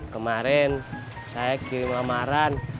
kemarin saya kirim amaran